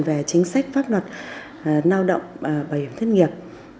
về chính sách pháp luật lao động bảo hiểm thất nghiệp